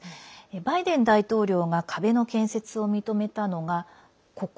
バイデン大統領が壁の建設を認めたのが、ここ。